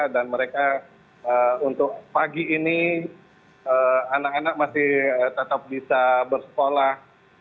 dan mereka untuk pagi ini anak anak masih tetap bisa bersekolah